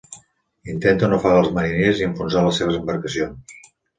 Intenten ofegar als mariners i enfonsar les seves embarcacions.